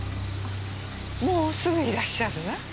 もうすぐいらっしゃるわ。